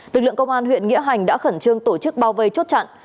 lực lượng công an huyện nghĩa hành đã khẩn trương tổ chức bao vây chốt chặn